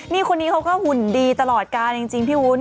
นี่คนนี้เขาก็หุ่นดีตลอดการจริงพี่วุ้น